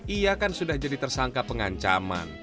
ia kan sudah jadi tersangka pengancaman